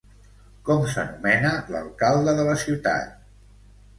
Com s'anomena l'alcalde de la ciutat?